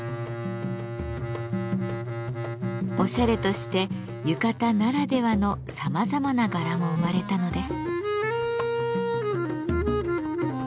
おしゃれとして浴衣ならではのさまざまな柄も生まれたのです。